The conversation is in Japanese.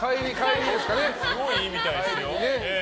すごい、いいみたいですよ。